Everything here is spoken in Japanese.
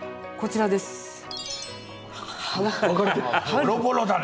ボロボロだね。